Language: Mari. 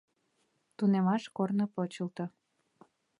Тунемаш корно почылто.